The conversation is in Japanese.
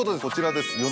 こちらです